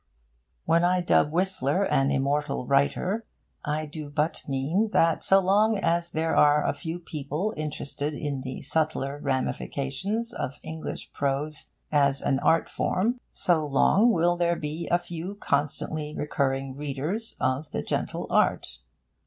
When I dub Whistler an immortal writer, I do but mean that so long as there are a few people interested in the subtler ramifications of English prose as an art form, so long will there be a few constantly recurring readers of The Gentle Art.